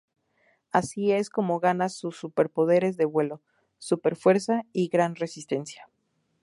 Así es como gana sus superpoderes de vuelo, superfuerza y gran resistencia.